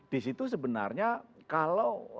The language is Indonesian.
disitu sebenarnya kalau